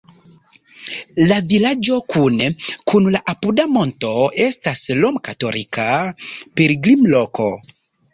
La vilaĝo kune kun la apuda monto estas romkatolika pilgrimloko.